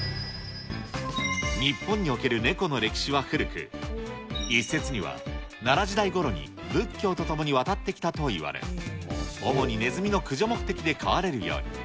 日本におけるネコの歴史は古く、一説には、奈良時代ごろに仏教とともに渡ってきたといわれ、主にネズミの駆除目的で飼われるように。